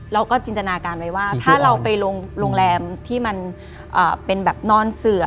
จินตนาการไว้ว่าถ้าเราไปโรงแรมที่มันเป็นแบบนอนเสือ